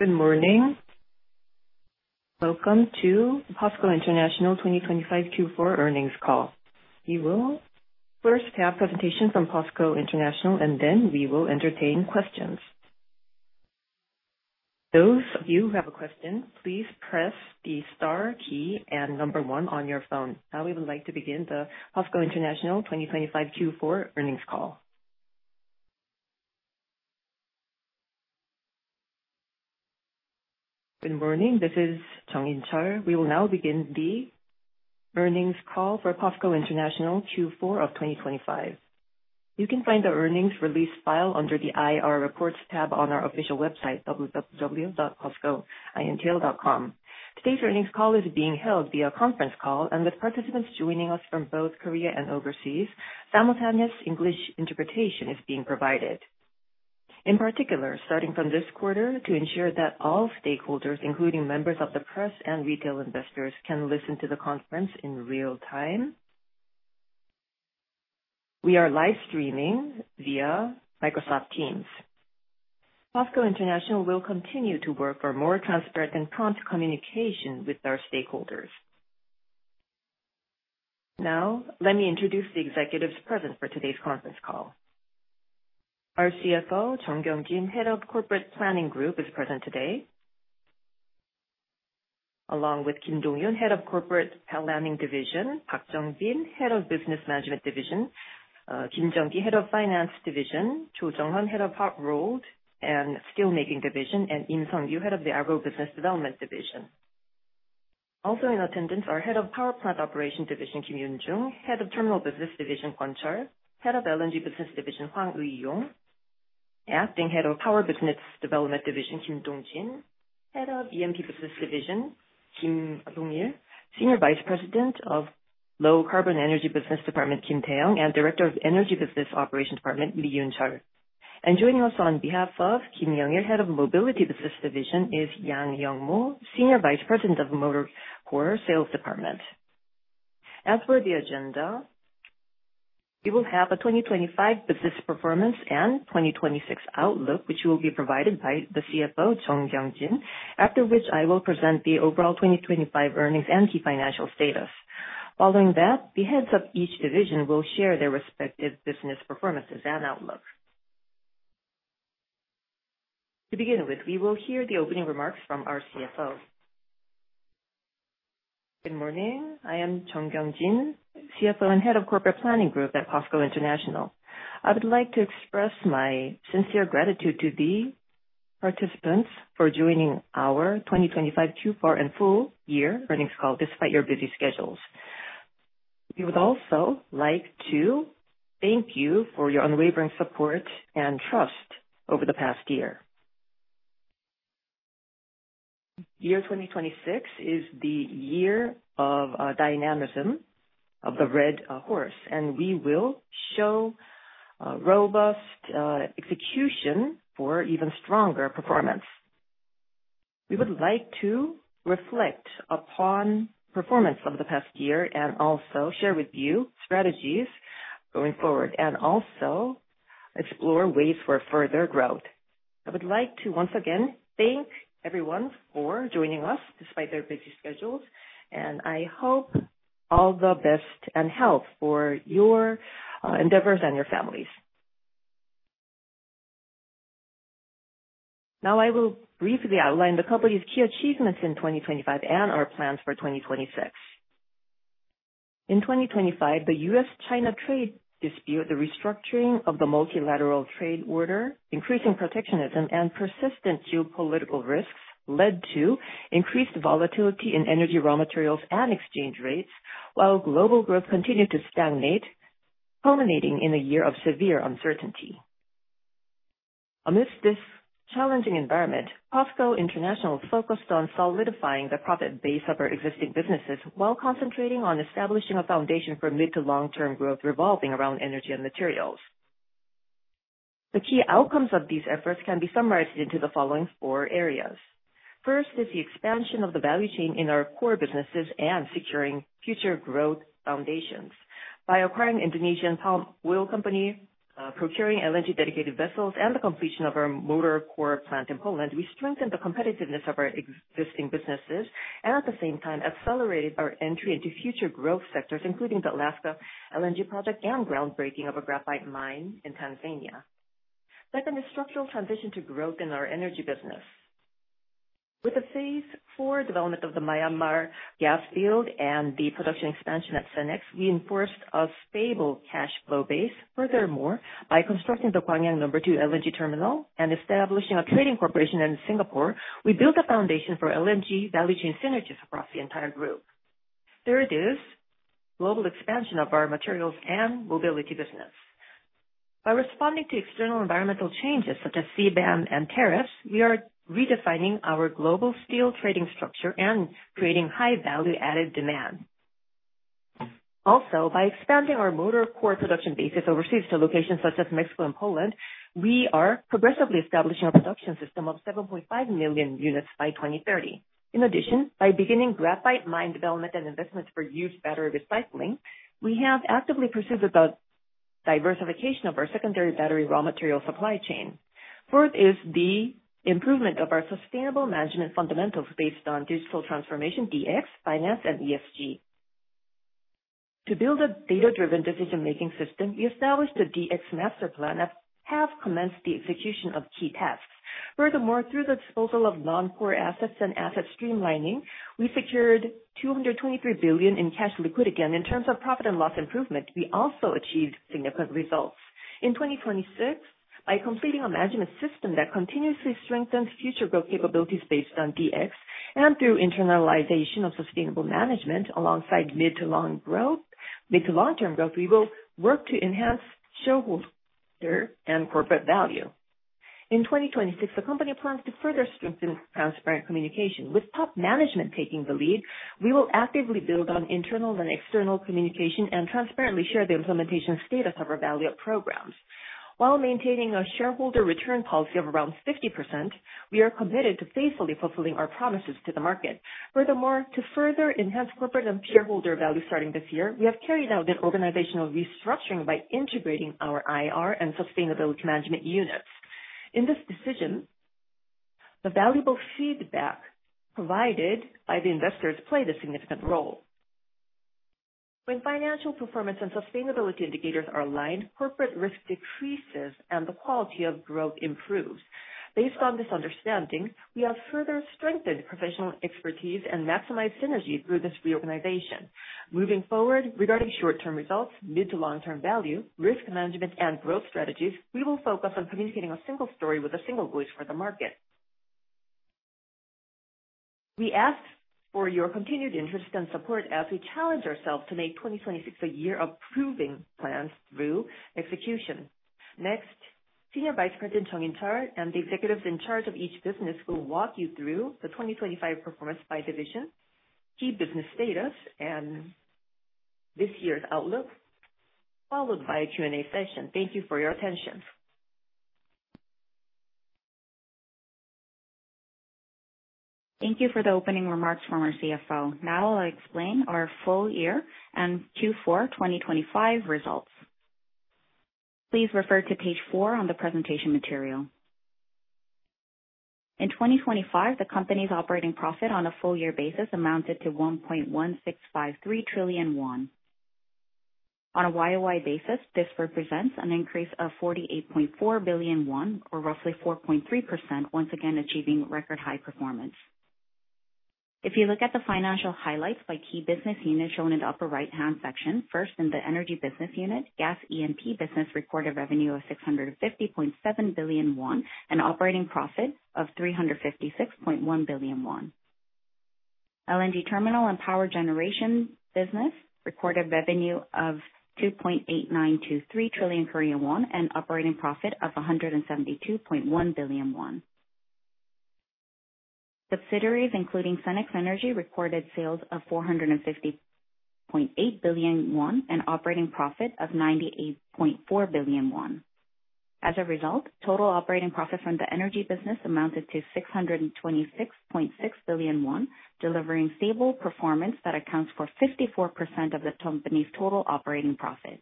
Good morning. Welcome to POSCO International 2025 Q4 earnings call. We will first have presentation from POSCO International, and then we will entertain questions. Those of you who have a question, please press the star key and 1 on your phone. Now, we would like to begin the POSCO International 2025 Q4 earnings call. Good morning. This is Jung In-chul. We will now begin the earnings call for POSCO International Q4 of 2025. You can find the earnings release file under the IR Reports tab on our official website, www.poscointl.com. Today's earnings call is being held via conference call, with participants joining us from both Korea and overseas, and simultaneous English interpretation is being provided. In particular, starting from this quarter, to ensure that all stakeholders, including members of the press and retail investors, can listen to the conference in real time, we are live streaming via Microsoft Teams. POSCO International will continue to work for more transparent and prompt communication with our stakeholders. Now, let me introduce the executives present for today's conference call. Our CFO, Jung Kyung-jin, Head of Corporate Planning Group, is present today, along with Kim Dong-yoon, Head of Corporate Planning Division, Park Jung-jin, Head of Business Management Division, Kim Jung-ki, Head of Finance Division, Cho Jung-han, Head of Hot Rolled and Steelmaking Division, and Lim Sang-yu, Head of the Agro Business Development Division. Also in attendance are Head of Power Plant Operation Division, Kim Yoon-jung, Head of Terminal Business Division, Kwon Chul, Head of LNG Business Division, Hwang Eui-yong, Acting Head of Power Business Development Division, Kim Dong-hyeok, Head of E&P Business Division, Kim Dong-hyeok, Senior Vice President of Low Carbon Energy Business Department, Kim Tae-hyung, and Director of Energy Business Operations Department, Lee Yoon-chul. And joining us on behalf of Kim Young-il, Head of Mobility Business Division, is Yang Young-mo, Senior Vice President of Motor Core Sales Department. As for the agenda, we will have a 2025 business performance and 2026 outlook, which will be provided by the CFO, Jung Kyung-jin, after which I will present the overall 2025 earnings and key financial status. Following that, the heads of each division will share their respective business performances and outlook. To begin with, we will hear the opening remarks from our CFO. Good morning. I am Jung Kyung-jin, CFO and Head of Corporate Planning Group at POSCO International. I would like to express my sincere gratitude to the participants for joining our 2025 Q4 and full-year earnings call despite your busy schedules. We would also like to thank you for your unwavering support and trust over the past year. Year 2026 is the year of dynamism of the Red Horse, and we will show robust execution for even stronger performance. We would like to reflect upon performance of the past year and also share with you strategies going forward, and also explore ways for further growth. I would like to once again thank everyone for joining us despite their busy schedules, and I hope all the best and health for your endeavors and your families. Now, I will briefly outline the company's key achievements in 2025 and our plans for 2026. In 2025, the U.S.-China trade dispute, the restructuring of the multilateral trade order, increasing protectionism, and persistent geopolitical risks led to increased volatility in energy, raw materials, and exchange rates, while global growth continued to stagnate, culminating in a year of severe uncertainty. Amidst this challenging environment, POSCO International focused on solidifying the profit base of our existing businesses, while concentrating on establishing a foundation for mid to long-term growth revolving around energy and materials. The key outcomes of these efforts can be summarized into the following four areas. First is the expansion of the value chain in our core businesses and securing future growth foundations. By acquiring Indonesian palm oil company, procuring LNG-dedicated vessels, and the completion of our motor core plant in Poland, we strengthened the competitiveness of our existing businesses and at the same time accelerated our entry into future growth sectors, including the Alaska LNG Project and groundbreaking of a graphite mine in Tanzania. Second, is structural transition to growth in our energy business. With the phase 4 development of the Myanmar gas field and the production expansion at Senex, we enforced a stable cash flow base. Furthermore, by constructing the Gwangyang number two LNG terminal and establishing a trading corporation in Singapore, we built a foundation for LNG value chain synergies across the entire group. Third is global expansion of our materials and mobility business. By responding to external environmental changes such as CBAM and tariffs, we are redefining our global steel trading structure and creating high value-added demand. Also, by expanding our motor core production bases overseas to locations such as Mexico and Poland, we are progressively establishing a production system of 7.5 million units by 2030. In addition, by beginning graphite mine development and investments for used battery recycling, we have actively pursued the diversification of our secondary battery raw material supply chain. Fourth is the improvement of our sustainable management fundamentals based on digital transformation, DX, finance, and ESG. To build a data-driven decision-making system, we established a DX master plan and have commenced the execution of key tasks. Furthermore, through the disposal of non-core assets and asset streamlining, we secured 223 billion in cash liquidity. Again, in terms of profit and loss improvement, we also achieved significant results. In 2026, by completing a management system that continuously strengthens future growth capabilities based on DX and through internalization of sustainable management alongside mid to long growth, mid to long-term growth, we will work to enhance shareholder and corporate value. In 2026, the company plans to further strengthen transparent communication. With top management taking the lead, we will actively build on internal and external communication and transparently share the implementation status of our value programs. While maintaining a shareholder return policy of around 50%, we are committed to faithfully fulfilling our promises to the market. Furthermore, to further enhance corporate and shareholder value starting this year, we have carried out an organizational restructuring by integrating our IR and sustainability management units. In this decision, the valuable feedback provided by the investors played a significant role. When financial performance and sustainability indicators are aligned, corporate risk decreases and the quality of growth improves. Based on this understanding, we have further strengthened professional expertise and maximized synergy through this reorganization. Moving forward, regarding short-term results, mid to long-term value, risk management, and growth strategies, we will focus on communicating a single story with a single voice for the market. We ask for your continued interest and support as we challenge ourselves to make 2026 a year of proving plans through execution. Next, Senior Vice President Jung In-chul and the executives in charge of each business will walk you through the 2025 performance by division, key business status, and this year's outlook, followed by a Q&A session. Thank you for your attention. Thank you for the opening remarks from our CFO. Now I'll explain our full-year and Q4 2025 results. Please refer to page four on the presentation material. In 2025, the company's operating profit on a full-year basis amounted to 1.1653 trillion won. On a YOY basis, this represents an increase of 48.4 billion won, or roughly 4.3%, once again, achieving record high performance. If you look at the financial highlights by key business units shown in the upper right-hand section, first, in the energy business unit, gas E&P business recorded revenue of 650.7 billion won, and operating profit of 356.1 billion won. LNG terminal and power generation business recorded revenue of 2.8923 trillion Korean won, and operating profit of 172.1 billion won. Subsidiaries, including Senex Energy, recorded sales of 450.8 billion won, and operating profit of 98.4 billion won. As a result, total operating profit from the energy business amounted to 626.6 billion won, delivering stable performance that accounts for 54% of the company's total operating profit.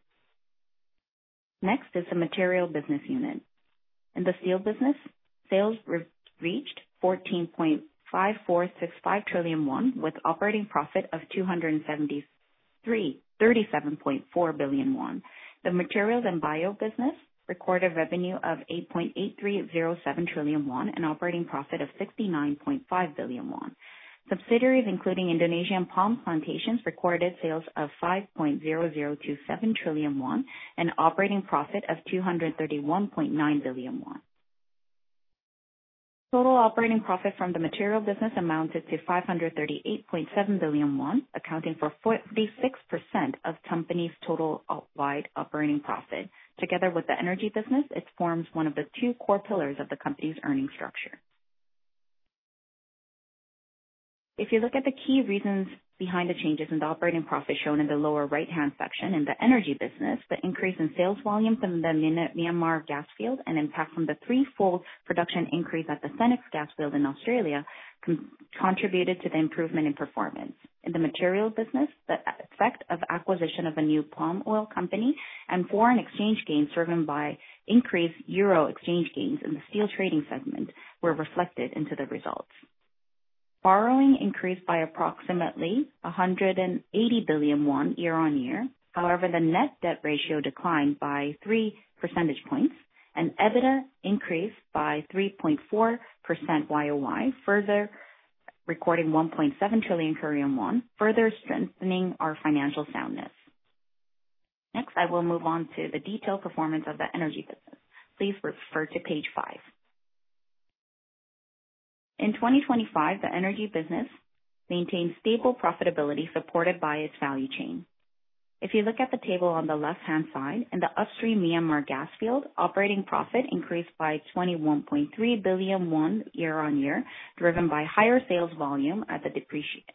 Next is the material business unit. In the steel business, sales reached 14.5465 trillion won, with operating profit of 273.37 billion won. The materials and bio business recorded revenue of 8.8307 trillion won, and operating profit of 69.5 billion won. Subsidiaries, including Indonesian palm plantations, recorded sales of 5.0027 trillion won, and operating profit of 231.9 billion won. Total operating profit from the material business amounted to 538.7 billion won, accounting for 46% of the company's company-wide operating profit. Together with the energy business, it forms one of the two core pillars of the company's earning structure. If you look at the key reasons behind the changes in the operating profit shown in the lower right-hand section, in the energy business, the increase in sales volume from the Myanmar gas field and impact from the threefold production increase at the Senex gas field in Australia contributed to the improvement in performance. In the materials business, the effect of acquisition of a new palm oil company and foreign exchange gains, driven by increased euro exchange gains in the steel trading segment, were reflected into the results. Borrowing increased by approximately 180 billion won year-on-year. However, the net debt ratio declined by 3 percentage points, and EBITDA increased by 3.4% year-on-year, further recording 1.7 trillion Korean won, further strengthening our financial soundness. Next, I will move on to the detailed performance of the energy business. Please refer to page four. In 2025, the energy business maintained stable profitability supported by its value chain. If you look at the table on the left-hand side, in the upstream Myanmar gas field, operating profit increased by 21.3 billion won year-on-year, driven by higher sales volume at the depreciation.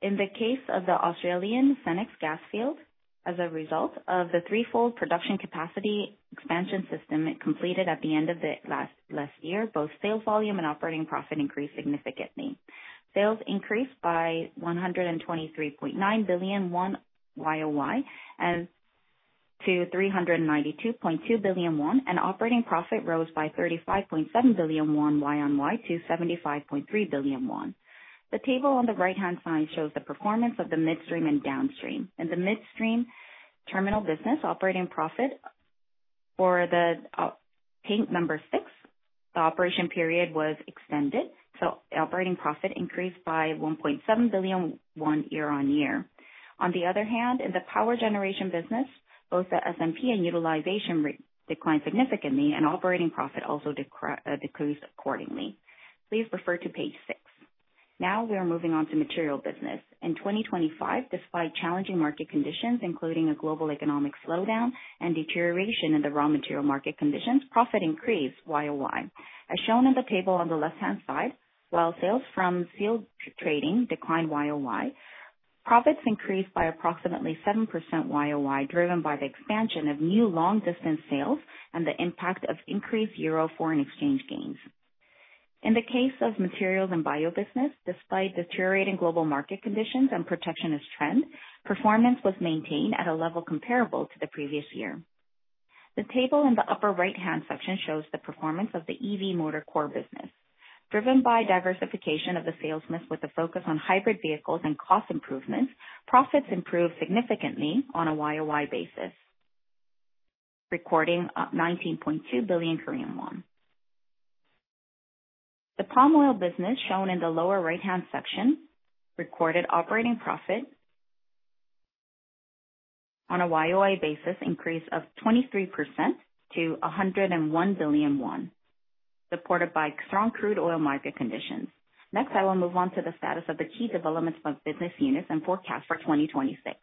In the case of the Australian Senex gas field, as a result of the threefold production capacity expansion system completed at the end of last year, both sales volume and operating profit increased significantly. Sales increased by 123.9 billion won YOY to 392.2 billion won, and operating profit rose by 35.7 billion won YOY to 75.3 billion won. The table on the right-hand side shows the performance of the midstream and downstream. In the midstream terminal business, operating profit for tank number six, the operation period was extended, so operating profit increased by 1.7 billion year-on-year. On the other hand, in the power generation business, both the SMP and utilization rate declined significantly and operating profit also decreased accordingly. Please refer to page six. Now we are moving on to material business. In 2025, despite challenging market conditions, including a global economic slowdown and deterioration in the raw material market conditions, profit increased YOY. As shown on the table on the left-hand side, while sales from field trading declined YOY, profits increased by approximately 7% YOY, driven by the expansion of new long-distance sales and the impact of increased euro foreign exchange gains. In the case of materials and bio business, despite deteriorating global market conditions and protectionist trends, performance was maintained at a level comparable to the previous year. The table in the upper right-hand section shows the performance of the EV motor core business. Driven by diversification of the sales mix with a focus on hybrid vehicles and cost improvements, profits improved significantly on a YOY basis, recording 19.2 billion Korean won. The palm oil business, shown in the lower right-hand section, recorded operating profit on a YOY basis increase of 23% to 101 billion won, supported by strong crude oil market conditions. Next, I will move on to the status of the key developments of business units and forecast for 2026.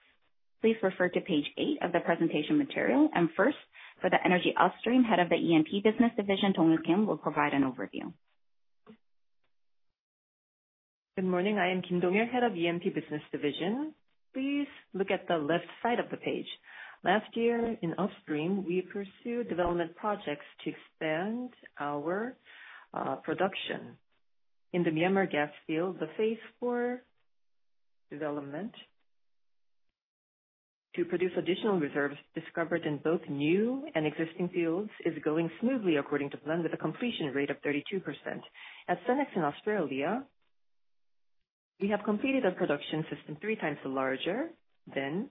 Please refer to page eight of the presentation material, and first, for the energy upstream, Head of the E&P Business Division, Kim Dong-hyeok, will provide an overview. Good morning. I am Kim Dong-hyeok, Head of E&P Business Division. Please look at the left side of the page. Last year, in upstream, we pursued development projects to expand our production. In the Myanmar gas field, the phase four development to produce additional reserves discovered in both new and existing fields is going smoothly according to plan, with a completion rate of 32%. At Senex in Australia, we have completed a production system three times larger than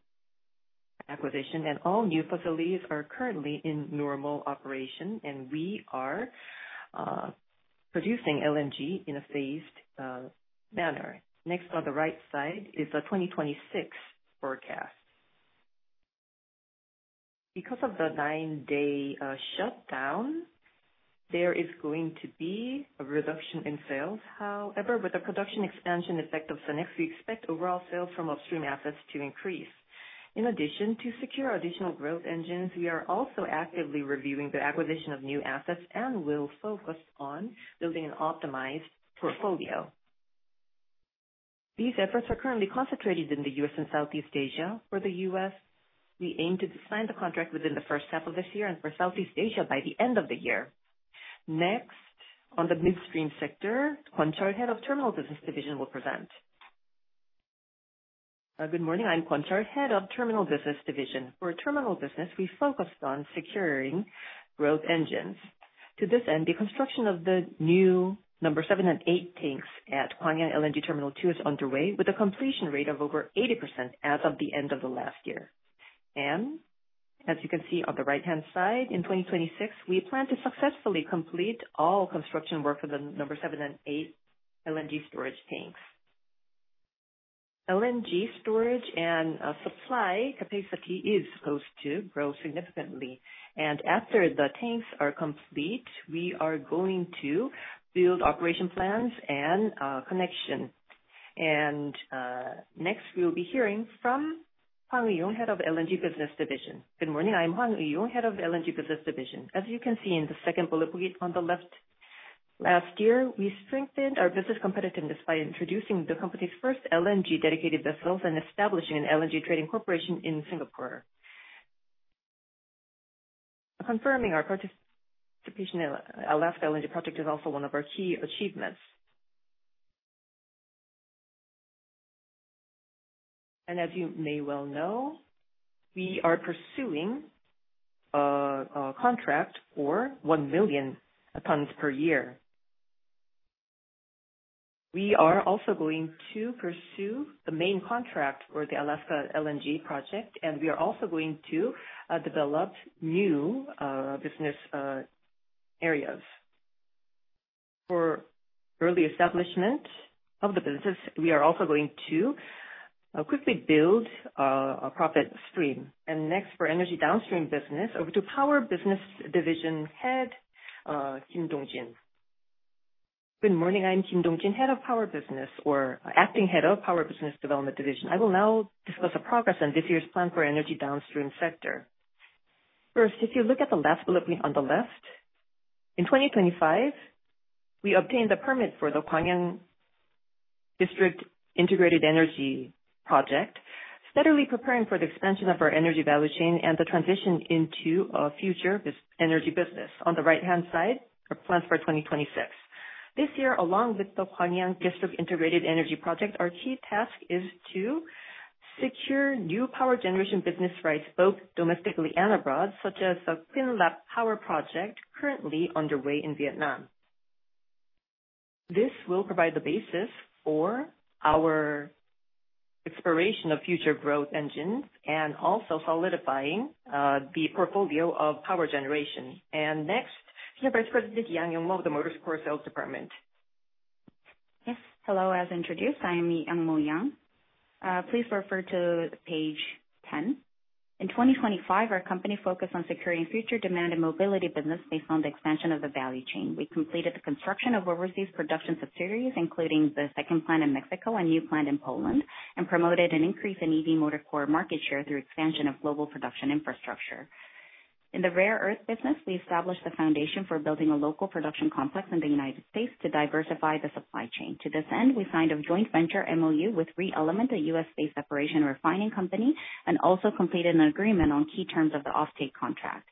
acquisition, and all new facilities are currently in normal operation, and we are producing LNG in a phased manner. Next, on the right side is the 2026 forecast. Because of the nine-day shutdown, there is going to be a reduction in sales. However, with the production expansion effect of Senex, we expect overall sales from upstream assets to increase. In addition, to secure additional growth engines, we are also actively reviewing the acquisition of new assets and will focus on building an optimized portfolio. These efforts are currently concentrated in the U.S. and Southeast Asia. For the U.S., we aim to sign the contract within the first half of this year, and for Southeast Asia, by the end of the year. Next, on the midstream sector, Kwon Chul, Head of Terminal Business Division, will present. Good morning. I'm Kwon Chul, Head of Terminal Business Division. For terminal business, we focused on securing growth engines. To this end, the construction of the new seven and eight tanks at Gwangyang LNG Terminal Two is underway, with a completion rate of over 80% as of the end of the last year. As you can see on the right-hand side, in 2026, we plan to successfully complete all construction work for the number seven and eight LNG storage tanks. LNG storage and supply capacity is supposed to grow significantly, and after the tanks are complete, we are going to build operation plans and connection. Next, we will be hearing from Hwang Eui-yong, Head of LNG Business Division. Good morning. I'm Hwang Eui-yong, Head of LNG Business Division. As you can see in the second bullet point on the left, last year, we strengthened our business competitiveness by introducing the company's first LNG dedicated vessels and establishing an LNG trading corporation in Singapore. Confirming our participation in Alaska LNG Project is also one of our key achievements. As you may well know, we are pursuing a contract for one million tons per year. We are also going to pursue the main contract for the Alaska LNG Project, and we are also going to develop new business areas. For early establishment of the business, we are also going to quickly build a profit stream. Next, for energy downstream business, over to Power Business Division Head, Kim Dong-hyeok. Good morning. I'm Kim Dong-hyeok, Head of Power Business or Acting Head of Power Business Development Division. I will now discuss the progress on this year's plan for energy downstream sector. First, if you look at the last bullet point on the left, in 2025, we obtained the permit for the Gwangyang District Integrated Energy Project, steadily preparing for the expansion of our energy value chain and the transition into a future energy business. On the right-hand side, our plans for 2026. This year, along with the Gwangyang District Integrated Energy Project, our key task is to secure new power generation business rights, both domestically and abroad, such as the Quynh Lap Power Project currently underway in Vietnam. This will provide the basis for our exploration of future growth engines and also solidifying the portfolio of power generation. And next, Senior Vice President Yang Young-mo of the Motor Core Sales Department. Yes, hello, as introduced, I am Yang Young-mo. Please refer to page 10. In 2025, our company focused on securing future demand and mobility business based on the expansion of the value chain. We completed the construction of overseas production subsidiaries, including the second plant in Mexico and new plant in Poland, and promoted an increase in EV motor core market share through expansion of global production infrastructure. In the rare earth business, we established the foundation for building a local production complex in the United States to diversify the supply chain. To this end, we signed a joint venture MOU with ReElement Technologies, a U.S.-based separation refining company, and also completed an agreement on key terms of the offtake contract.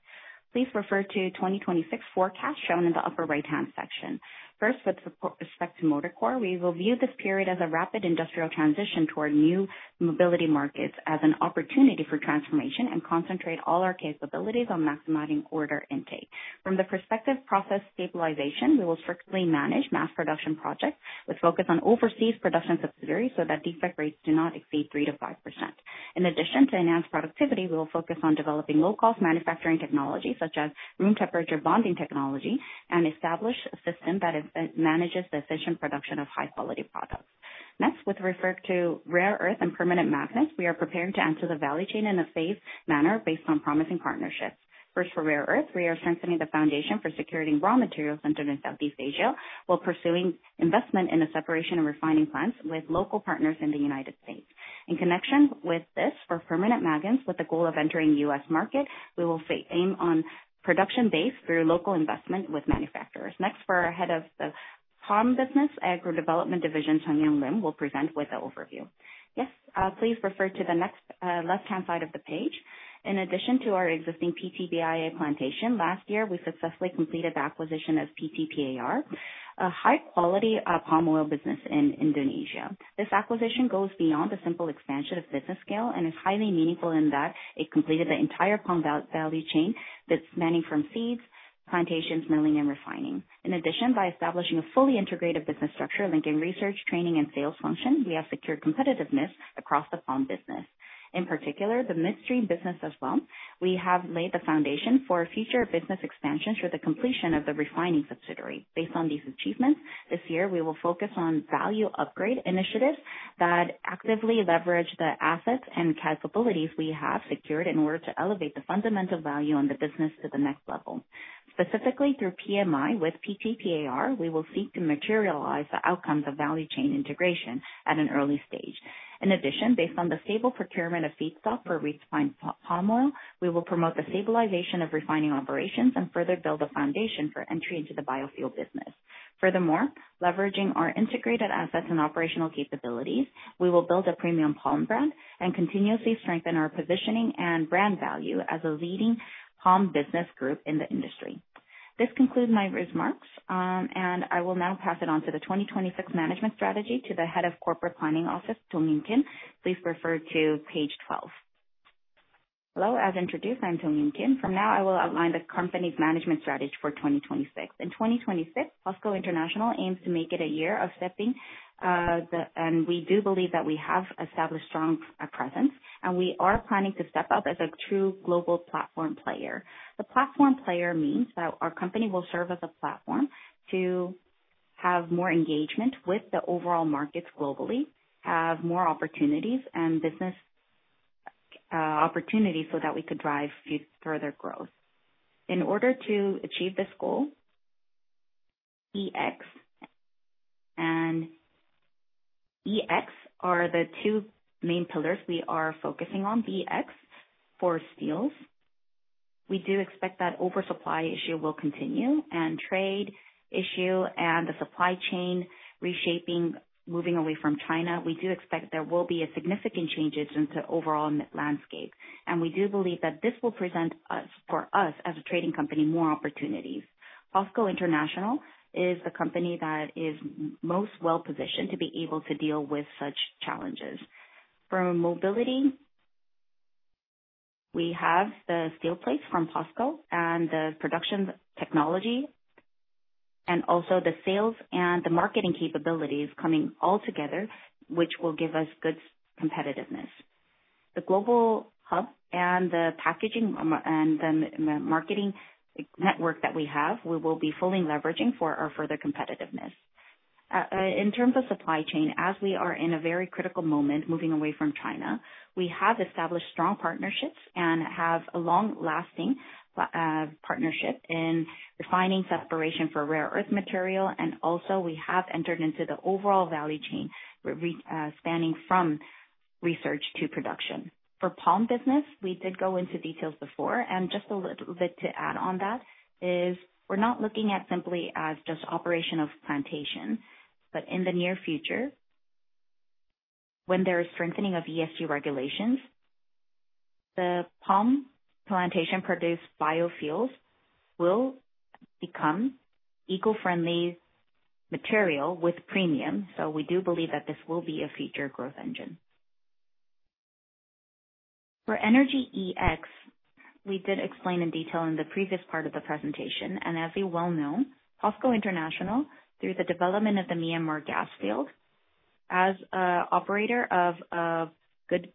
Please refer to 2026 forecast shown in the upper right-hand section. First, with respect to motor core, we will view this period as a rapid industrial transition toward new mobility markets as an opportunity for transformation and concentrate all our capabilities on maximizing order intake. From the perspective of process stabilization, we will strictly manage mass production projects, which focus on overseas production subsidiaries so that defect rates do not exceed 3%-5%. In addition to enhanced productivity, we will focus on developing low-cost manufacturing technologies, such as room temperature bonding technology, and establish a system that manages the efficient production of high-quality products. Next, with reference to rare earth and permanent magnets, we are preparing to enter the value chain in a phased manner based on promising partnerships. First, for rare earth, we are strengthening the foundation for securing raw materials centered in Southeast Asia, while pursuing investment in the separation and refining plants with local partners in the United States. In connection with this, for permanent magnets, with the goal of entering the U.S. market, we will aim on a production base through local investment with manufacturers. Next, for our head of the palm business, agro development division, Lim Sang-yu, will present with an overview. Yes, please refer to the next, left-hand side of the page. In addition to our existing PT BIA plantation, last year, we successfully completed the acquisition of PT PAR, a high quality, palm oil business in Indonesia. This acquisition goes beyond the simple expansion of business scale and is highly meaningful in that it completed the entire palm value chain that spanning from seeds, plantations, milling, and refining. In addition, by establishing a fully integrated business structure, linking research, training, and sales function, we have secured competitiveness across the palm business. In particular, the midstream business as well. We have laid the foundation for future business expansion through the completion of the refining subsidiary. Based on these achievements, this year, we will focus on value upgrade initiatives that actively leverage the assets and capabilities we have secured in order to elevate the fundamental value on the business to the next level. Specifically, through PMI with PT PAR, we will seek to materialize the outcomes of value chain integration at an early stage. In addition, based on the stable procurement of feedstock for refined palm oil, we will promote the stabilization of refining operations and further build a foundation for entry into the biofuel business. Furthermore, leveraging our integrated assets and operational capabilities, we will build a premium palm brand and continuously strengthen our positioning and brand value as a leading palm business group in the industry. This concludes my remarks, and I will now pass it on to the 2026 management strategy to the Head of Corporate Planning Office, Kim Dong-yoon. Please refer to page 12. Hello, as introduced, I'm Kim Dong-yoon. From now, I will outline the company's management strategy for 2026. In 2026, POSCO International aims to make it a year of stepping up. We do believe that we have established strong presence, and we are planning to step up as a true global platform player. The platform player means that our company will serve as a platform to have more engagement with the overall markets globally, have more opportunities and business opportunities so that we could drive further growth. In order to achieve this goal, DX and EX are the two main pillars we are focusing on. DX for steels. We do expect that oversupply issue will continue, and trade issue and the supply chain reshaping, moving away from China, we do expect there will be a significant changes into overall landscape. We do believe that this will present us, for us, as a trading company, more opportunities. POSCO International is the company that is most well-positioned to be able to deal with such challenges. For mobility, we have the steel plates from POSCO and the production technology, and also the sales and the marketing capabilities coming all together, which will give us good competitiveness. The global hub and the packaging and the marketing network that we have, we will be fully leveraging for our further competitiveness. in terms of supply chain, as we are in a very critical moment, moving away from China, we have established strong partnerships and have a long-lasting partnership in refining separation for rare earth material. And also, we have entered into the overall value chain, spanning from-... research to production. For palm business, we did go into details before, and just a little bit to add on that, is we're not looking at simply as just operation of plantation, but in the near future, when there is strengthening of ESG regulations, the palm plantation-produced biofuels will become eco-friendly material with premium. So we do believe that this will be a future growth engine. For energy EX, we did explain in detail in the previous part of the presentation, and as you well know, POSCO International, through the development of the Myanmar gas field, as a operator of a good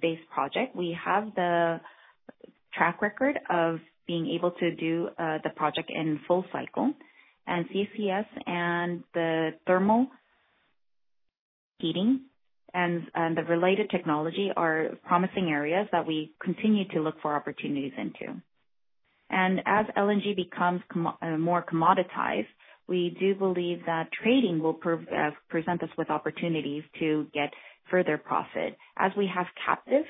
base project, we have the track record of being able to do the project in full cycle. And CCS and the thermal heating and the related technology are promising areas that we continue to look for opportunities into. As LNG becomes more commoditized, we do believe that trading will present us with opportunities to get further profit. As we have captive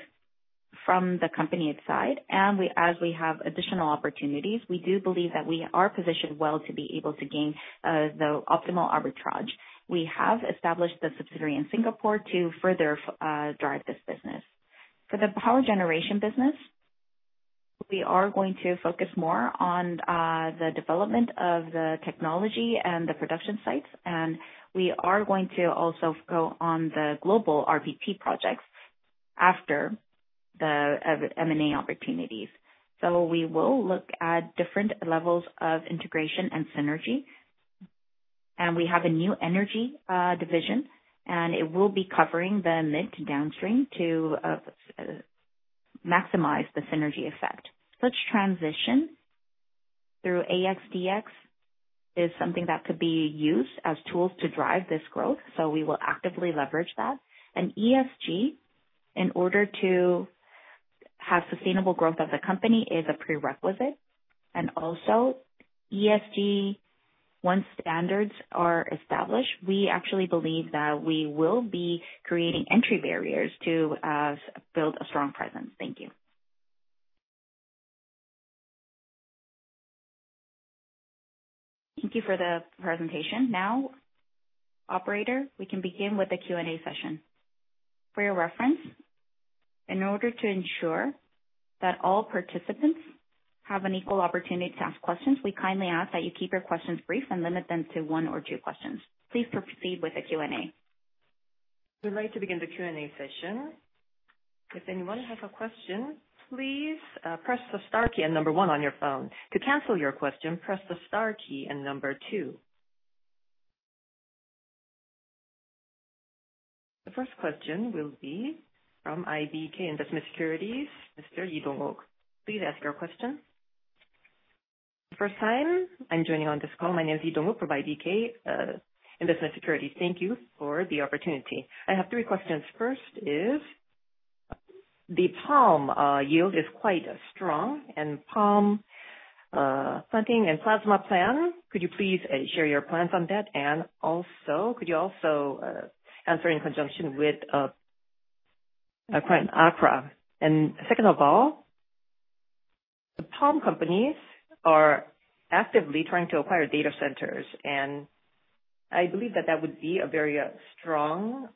from the company side, and as we have additional opportunities, we do believe that we are positioned well to be able to gain the optimal arbitrage. We have established a subsidiary in Singapore to further drive this business. For the power generation business, we are going to focus more on the development of the technology and the production sites, and we are going to also go on the global IPP projects after the M&A opportunities. We will look at different levels of integration and synergy, and we have a new energy division, and it will be covering the mid to downstream to maximize the synergy effect. Switch transition through AX DX is something that could be used as tools to drive this growth, so we will actively leverage that. And ESG, in order to have sustainable growth of the company, is a prerequisite. And also, ESG, once standards are established, we actually believe that we will be creating entry barriers to build a strong presence. Thank you. Thank you for the presentation. Now, operator, we can begin with the Q&A session. For your reference, in order to ensure that all participants have an equal opportunity to ask questions, we kindly ask that you keep your questions brief and limit them to one or two questions. Please proceed with the Q&A. We'd like to begin the Q&A session. If anyone has a question, please press the star key and number one on your phone. To cancel your question, press the star key and number two. The first question will be from IBK Investment Securities, Mr. Lee Dong-ho. Please ask your question. First time I'm joining on this call. My name is Lee Dong-ho from IBK Investment Securities. Thank you for the opportunity. I have three questions. First is, the palm yield is quite strong, and palm planting and plantation plan, could you please share your plans on that? And also, could you also answer in conjunction with Prime Agri Resources? And second of all, the palm companies are actively trying to acquire data centers, and I believe that that would be a very strong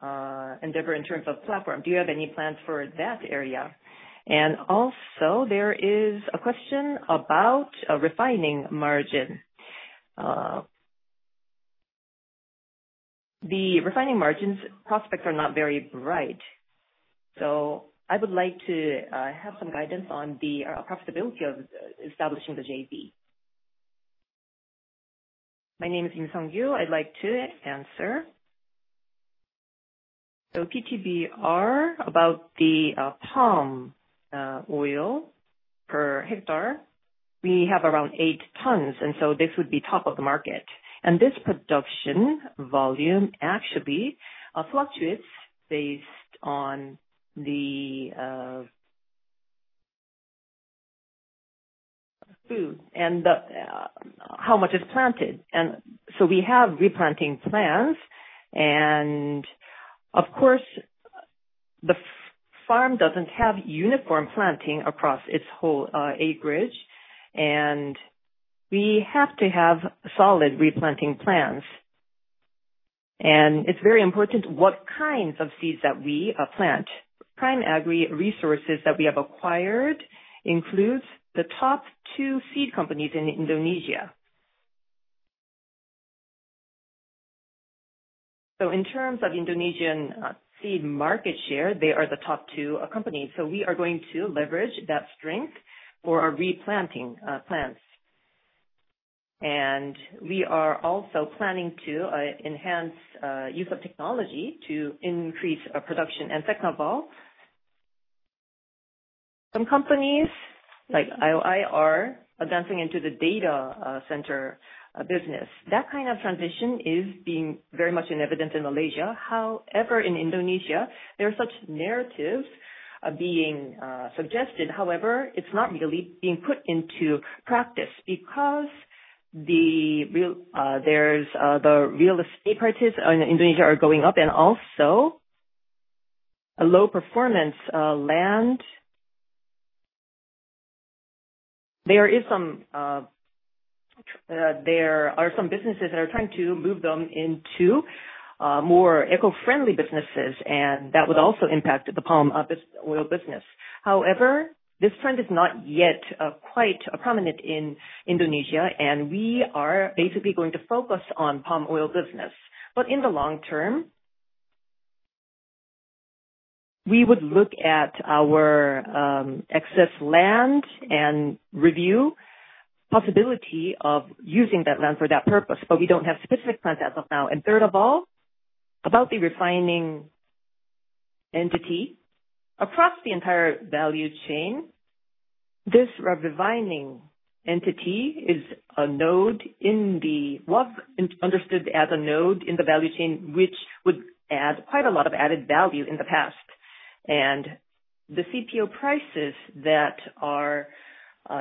endeavor in terms of platform. Do you have any plans for that area? And also, there is a question about a refining margin. The refining margins prospects are not very bright, so I would like to have some guidance on the profitability of establishing the JV. My name is Lim Sang-yu. I'd like to answer. So PT PAR, about the palm oil per hectare, we have around eight tons, and so this would be top of the market. And this production volume actually fluctuates based on the food and the how much is planted. And so we have replanting plans, and of course, the farm doesn't have uniform planting across its whole acreage, and we have to have solid replanting plans. And it's very important what kinds of seeds that we plant. Prime Agri Resources that we have acquired includes the top two seed companies in Indonesia. So in terms of Indonesian seed market share, they are the top two companies. So we are going to leverage that strength for our replanting plans. We are also planning to enhance use of technology to increase our production. Second of all, some companies like IOI are advancing into the data center business. That kind of transition is being very much evident in Malaysia. However, in Indonesia, there are such narratives being suggested. However, it's not really being put into practice because the real estate prices in Indonesia are going up, and also a low performance land. There are some businesses that are trying to move them into more eco-friendly businesses, and that would also impact the palm oil business. However, this trend is not yet quite prominent in Indonesia, and we are basically going to focus on palm oil business. But in the long term, we would look at our excess land and review possibility of using that land for that purpose, but we don't have specific plans as of now. And third of all, about the refining entity. Across the entire value chain, this re-refining entity is a node in the value chain, which was understood as a node in the value chain, which would add quite a lot of added value in the past. And the CPO prices that are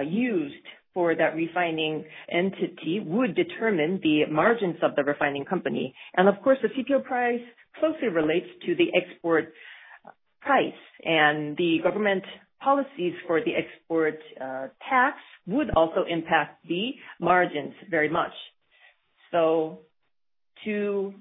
used for that refining entity would determine the margins of the refining company. And of course, the CPO price closely relates to the export price. And the government policies for the export tax would also impact the margins very much. So, to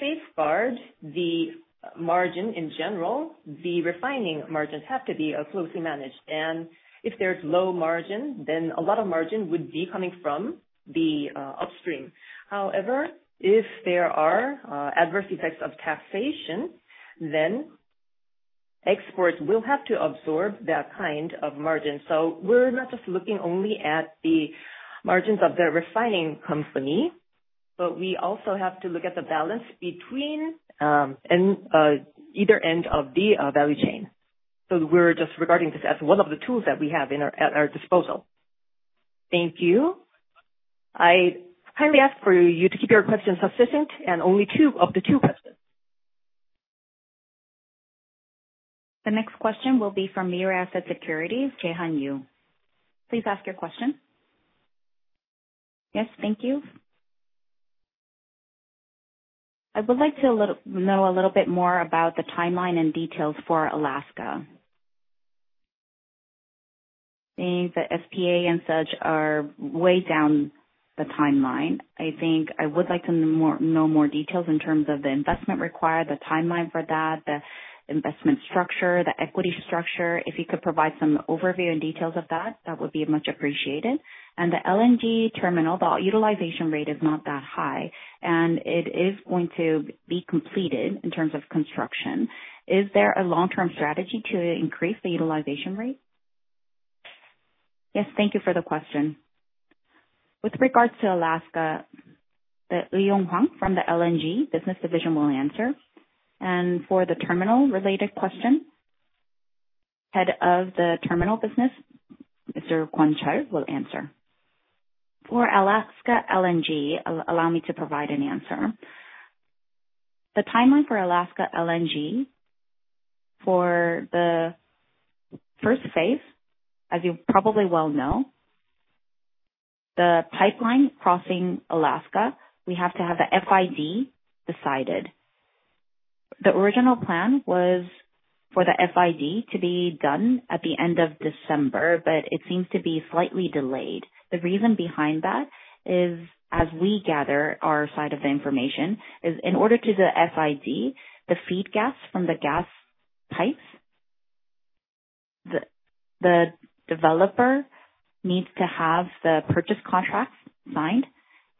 safeguard the margin in general, the refining margins have to be closely managed, and if there's low margin, then a lot of margin would be coming from the upstream. However, if there are adverse effects of taxation, then exports will have to absorb that kind of margin. So we're not just looking only at the margins of the refining company, but we also have to look at the balance between and either end of the value chain. So we're just regarding this as one of the tools that we have at our disposal. Thank you. I kindly ask for you to keep your questions succinct and only two of the two questions. The next question will be from Mirae Asset Securities, Ryu Jae-hyun. Please ask your question. Yes, thank you. I would like to know a little bit more about the timeline and details for Alaska. I think the SPA and such are way down the timeline. I think I would like to know more details in terms of the investment required, the timeline for that, the investment structure, the equity structure. If you could provide some overview and details of that, that would be much appreciated. And the LNG terminal, the utilization rate is not that high, and it is going to be completed in terms of construction. Is there a long-term strategy to increase the utilization rate? Yes, thank you for the question. With regards to Alaska, the Hwang Eui-yong from the LNG business division will answer. For the terminal-related question, Head of the Terminal Business, Mr. Kwon Chul, will answer. For Alaska LNG, allow me to provide an answer. The timeline for Alaska LNG, for the first phase, as you probably well know, the pipeline crossing Alaska, we have to have the FID decided. The original plan was for the FID to be done at the end of December, but it seems to be slightly delayed. The reason behind that is, as we gather our side of the information, is in order to do the FID, the feed gas from the gas pipes, the, the developer needs to have the purchase contracts signed,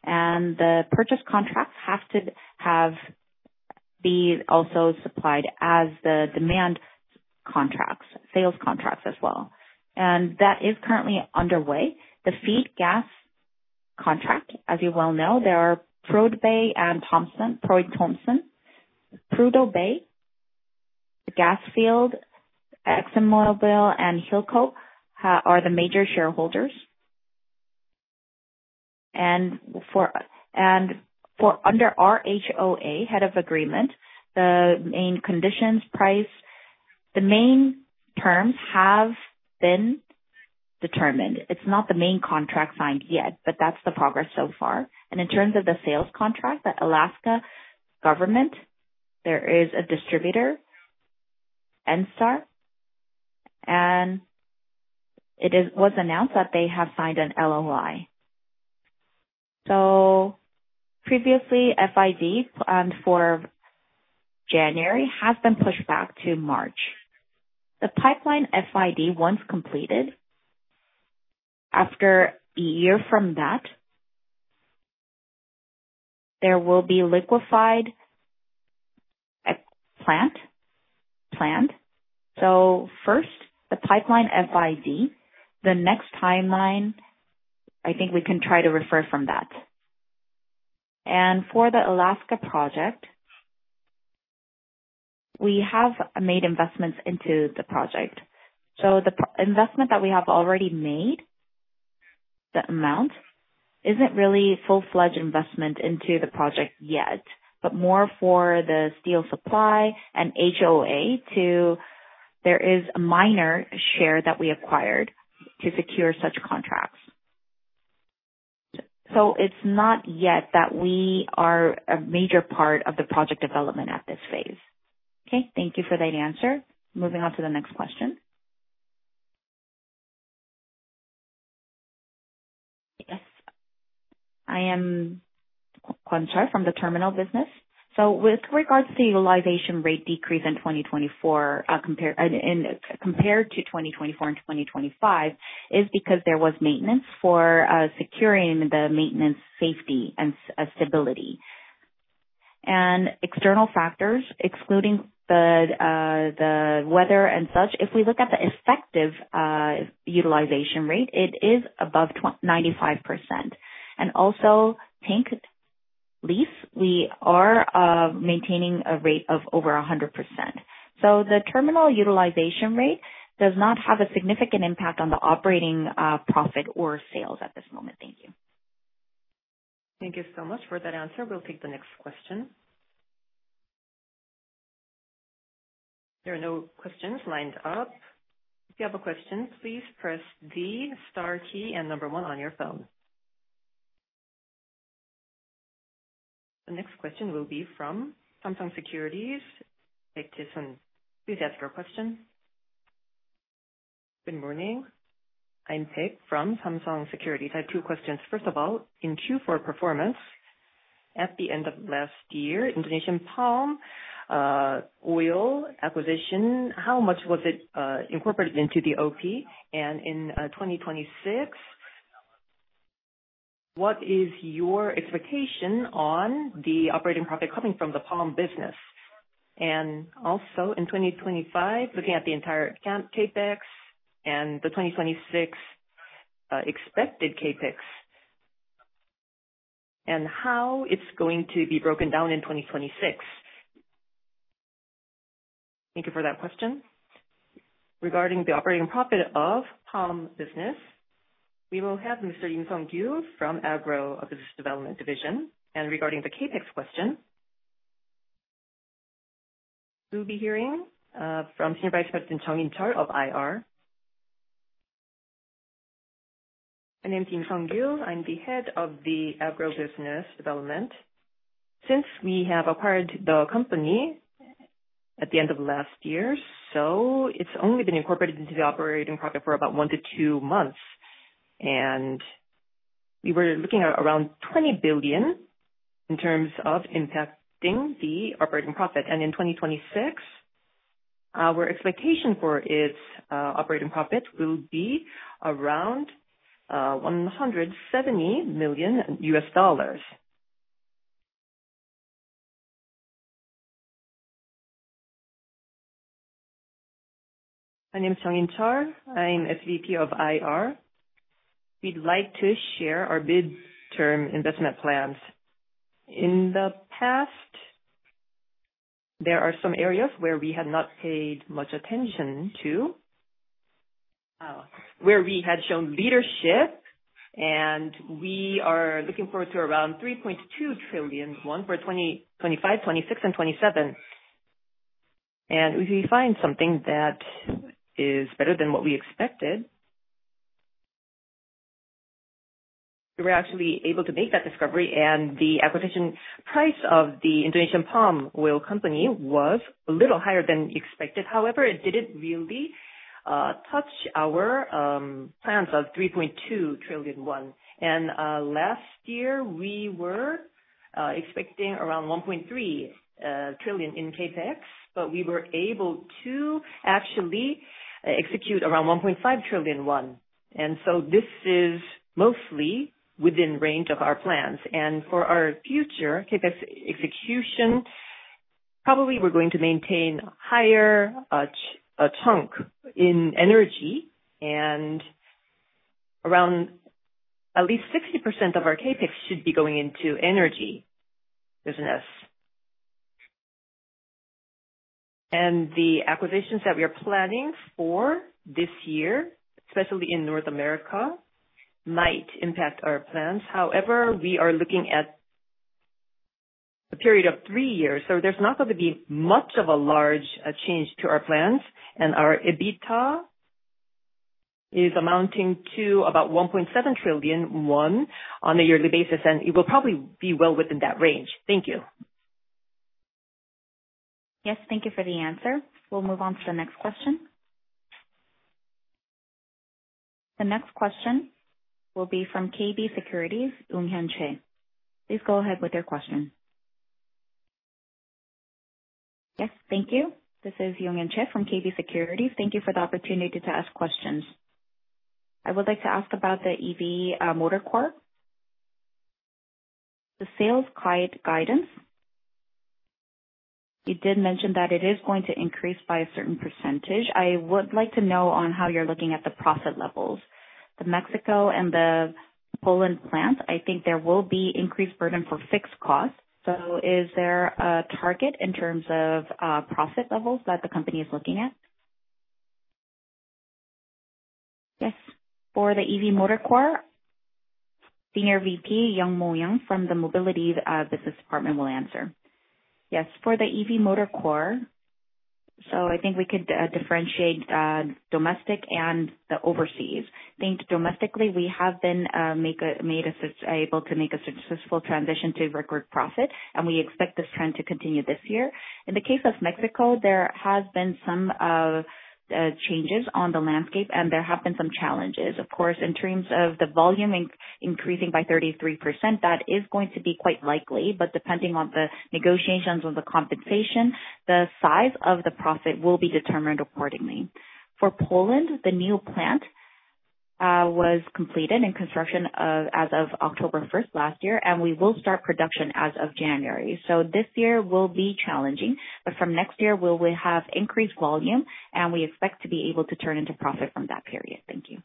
and the purchase contracts have to have these also supplied as the demand contracts, sales contracts as well. And that is currently underway. The feed gas contract, as you well know, there are Prudhoe Bay and Point Thomson, Prudhoe Bay and Point Thomson. Prudhoe Bay, the gas field, ExxonMobil and Hilcorp are the major shareholders. And for under our HOA, head of agreement, the main conditions, price, the main terms have been determined. It's not the main contract signed yet, but that's the progress so far. And in terms of the sales contract, the Alaska government, there is a distributor, Enstar, and it was announced that they have signed an LOI. So previously, FID, planned for January, has been pushed back to March. The pipeline FID, once completed, after a year from that, there will be liquefaction plant, planned. So first, the pipeline FID. The next timeline, I think we can try to refer from that. And for the Alaska project, we have made investments into the project. So the pre-investment that we have already made, the amount, isn't really full-fledged investment into the project yet, but more for the steel supply and HOA to-... There is a minor share that we acquired to secure such contracts. So it's not yet that we are a major part of the project development at this phase. Okay, thank you for that answer. Moving on to the next question. Yes, I am Kwon Chul from the terminal business. So with regards to utilization rate decrease in 2024, compared to 2025, is because there was maintenance for securing the maintenance safety and stability. And external factors, excluding the weather and such, if we look at the effective utilization rate, it is above 95%. And also tank lease, we are maintaining a rate of over 100%. So the terminal utilization rate does not have a significant impact on the operating profit or sales at this moment. Thank you. Thank you so much for that answer. We'll take the next question. There are no questions lined up. If you have a question, please press the star key and number one on your phone. The next question will be from Samsung Securities, Paik Jae-seung. Please ask your question. Good morning. I'm Paik from Samsung Securities. I have two questions. First of all, in Q4 performance, at the end of last year, Indonesian palm oil acquisition, how much was it incorporated into the OP? And in 2026, what is your expectation on the operating profit coming from the palm business? And also, in 2025, looking at the entire CAPEX and the 2026 expected CAPEX, and how it's going to be broken down in 2026? Thank you for that question. Regarding the operating profit of palm business, we will have Mr. Lim Sang-yu from Agro Business Development Division. Regarding the CapEx question, we'll be hearing from Senior Vice President Jung In-chul of IR. My name is Lim Sang-yu. I'm the Head of the Agro Business Development. Since we have acquired the company at the end of last year, so it's only been incorporated into the operating profit for about one to two months. And we were looking at around 20 billion in terms of impacting the operating profit. And in 2026, our expectation for its operating profit will be around $170 million. My name is Jung In-chul. I'm SVP of IR. We'd like to share our mid-term investment plans. In the past, there are some areas where we had not paid much attention to, where we had shown leadership, and we are looking forward to around 3.2 trillion won for 2025, 2026 and 2027. If we find something that is better than what we expected, we were actually able to make that discovery, and the acquisition price of the Indonesian palm oil company was a little higher than expected. However, it didn't really touch our plans of 3.2 trillion won. Last year, we were expecting around 1.3 trillion in CapEx, but we were able to actually execute around 1.5 trillion won. And so this is mostly within range of our plans. And for our future CapEx execution, probably we're going to maintain higher, a chunk in energy, and around at least 60% of our CapEx should be going into energy business. And the acquisitions that we are planning for this year, especially in North America, might impact our plans. However, we are looking at a period of three years, so there's not going to be much of a large change to our plans, and our EBITDA is amounting to about 1.7 trillion won on a yearly basis, and it will probably be well within that range. Thank you. Yes, thank you for the answer. We'll move on to the next question. The next question will be from KB Securities, Chae Yoon-hyun. Please go ahead with your question. Yes, thank you. This is Chae Yoon-hyun from KB Securities. Thank you for the opportunity to ask questions. I would like to ask about the EV Motor Core. The sales guidance, you did mention that it is going to increase by a certain percentage. I would like to know how you're looking at the profit levels. The Mexico and the Poland plant, I think there will be increased burden for fixed costs. So is there a target in terms of profit levels that the company is looking at?... Yes, for the EV Motor Core, Senior VP Yang Young-mo from the Mobility Business Department will answer. Yes, for the EV Motor Core, so I think we could differentiate domestic and the overseas. I think domestically we have been able to make a successful transition to record profit, and we expect this trend to continue this year. In the case of Mexico, there has been some changes on the landscape, and there have been some challenges. Of course, in terms of the volume increasing by 33%, that is going to be quite likely, but depending on the negotiations or the compensation, the size of the profit will be determined accordingly. For Poland, the new plant was completed in construction as of October first last year, and we will start production as of January. So this year will be challenging, but from next year we will have increased volume, and we expect to be able to turn into profit from that period. Thank you.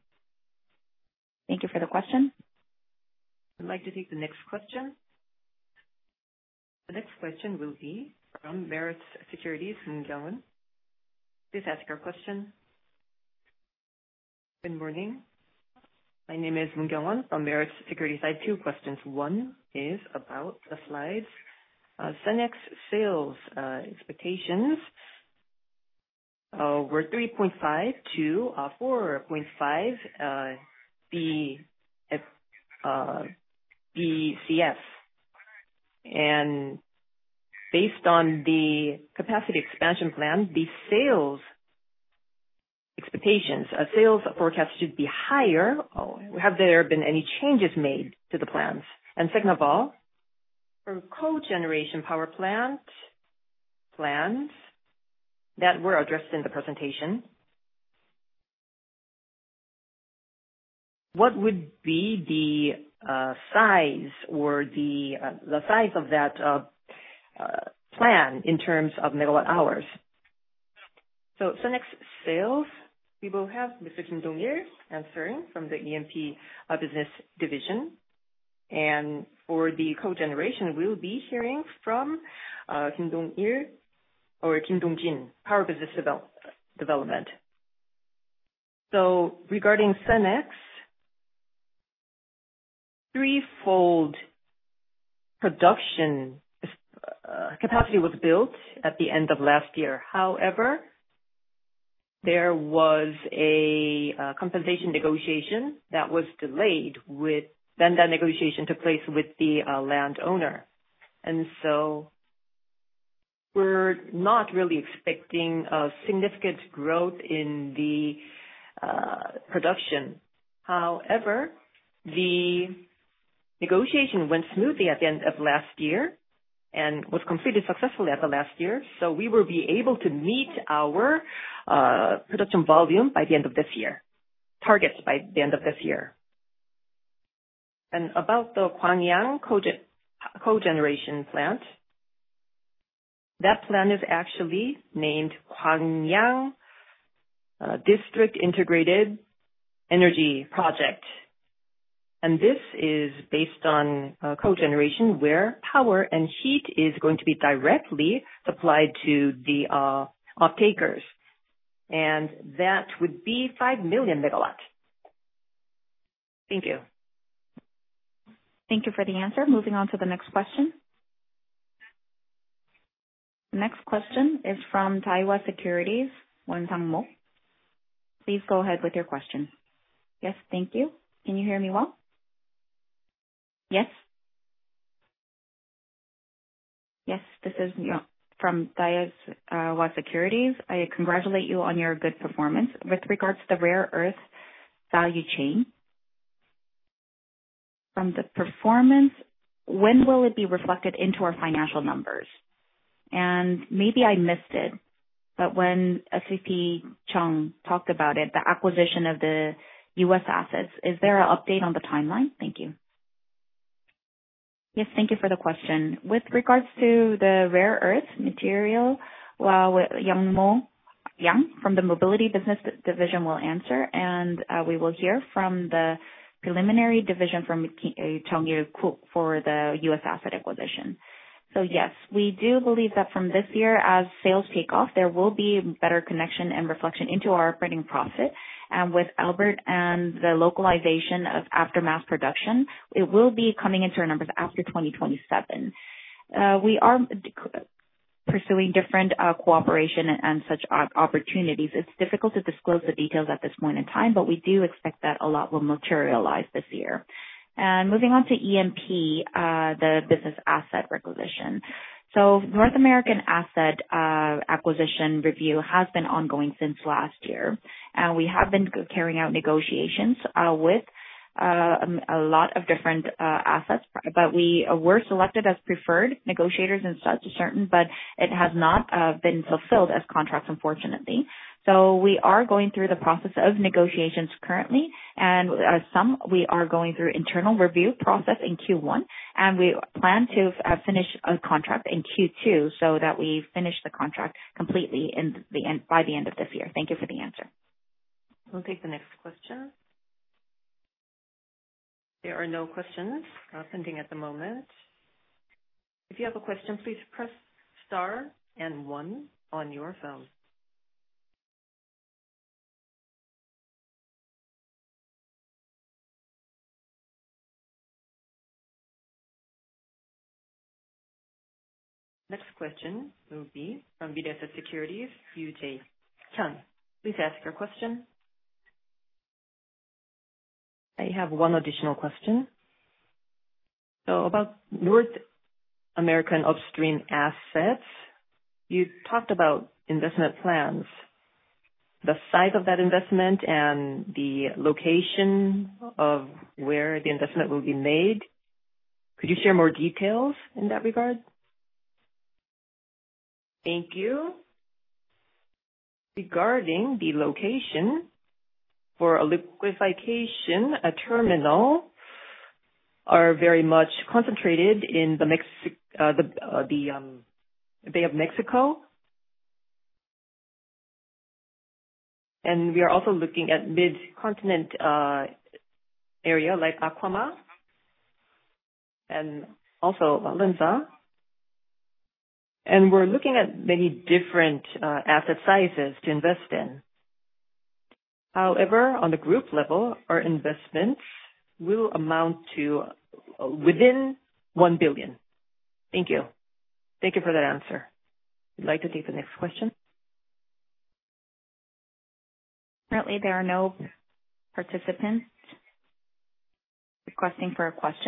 Thank you for the question. I'd like to take the next question. The next question will be from Meritz Securities, Moon Kyung-won. Please ask your question. Good morning. My name is Moon Kyung-won from Meritz Securities. I have two questions. One is about the slides. Senex sales expectations were 3.5-4.5 Bcf. And based on the capacity expansion plan, the sales expectations sales forecast should be higher. Have there been any changes made to the plans? And second of all, for cogeneration power plant plans that were addressed in the presentation, what would be the size or the size of that plan in terms of megawatt hours? So Senex sales, we will have Mr. Kim Dong-hyeok answering from the E&P Business Division. And for the cogeneration, we'll be hearing from Kim Dong-hyeok, Power Business Development. So regarding Senex, threefold production capacity was built at the end of last year. However, there was a compensation negotiation that was delayed with... Then that negotiation took place with the landowner. And so we're not really expecting a significant growth in the production. However, the negotiation went smoothly at the end of last year and was completed successfully at the last year, so we will be able to meet our production volume targets by the end of this year. About the Gwangyang Cogen, Cogeneration Plant, that plant is actually named Gwangyang District Integrated Energy Project, and this is based on cogeneration, where power and heat is going to be directly supplied to the off-takers, and that would be 5 million MW. Thank you. Thank you for the answer. Moving on to the next question. The next question is from Daiwa Securities, Kwon Sang-mo. Please go ahead with your question. Yes, thank you. Can you hear me well? Yes. Yes, this is from Daiwa Securities. I congratulate you on your good performance. With regards to the rare earth value chain, from the performance, when will it be reflected into our financial numbers? And maybe I missed it, but when SVP Chung talked about it, the acquisition of the U.S. assets, is there an update on the timeline? Thank you. Yes, thank you for the question. With regards to the rare earth material, Yang Young-mo from the Mobility Business Division will answer, and we will hear from the preliminary division from Kim Dong-hyeok for the U.S. asset acquisition. So yes, we do believe that from this year, as sales take off, there will be better connection and reflection into our operating profit. And with our plant and the localization of after mass production, it will be coming into our numbers after 2027. We are pursuing different cooperation and such opportunities. It's difficult to disclose the details at this point in time, but we do expect that a lot will materialize this year. And moving on to EMP, the business asset requisition. So North American asset acquisition review has been ongoing since last year, and we have been carrying out negotiations with a lot of different assets. But we were selected as preferred negotiators in such a certain, but it has not been fulfilled as contracts unfortunately. So we are going through the process of negotiations currently, and some we are going through internal review process in Q1, and we plan to finish a contract in Q2 so that we finish the contract completely in the end, by the end of this year. Thank you for the answer. We'll take the next question. There are no questions pending at the moment. If you have a question, please press star and one on your phone. Next question will be from Hana Securities, Yoo Jae-sun. Please ask your question. I have one additional question. So about North American upstream assets, you talked about investment plans. The size of that investment and the location of where the investment will be made, could you share more details in that regard? Thank you. Regarding the location for a liquefaction terminal are very much concentrated in the Mexico, the Bay of Mexico. And we are also looking at mid-continent area like Oklahoma and also Haynesville, and we're looking at many different asset sizes to invest in. However, on the group level, our investments will amount to within $1 billion. Thank you. Thank you for that answer. We'd like to take the next question. Currently, there are no participants requesting for a question.